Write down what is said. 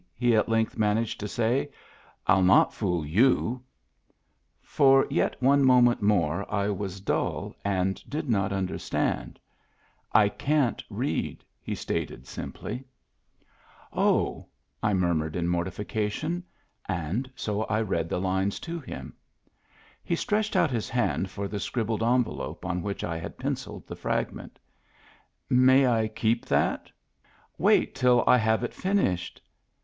" he at length managed to say. "I'll not ioolyou'^ For yet one moment more I was dull, and did not understand. " I can't read," he stated simply. Digitized by Google i84 MEMBERS OF THE FAMILY Oh 1 " I murmured in mortification. And so I read the lines to him. He stretched out his hand for the scribbled envelope on which I had pencilled the fragment. " May I keep that ?"" Wait till I have it finished."